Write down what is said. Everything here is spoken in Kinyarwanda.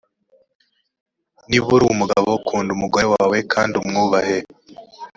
niba uri umugabo kunda umugore wawe kandi umwubahe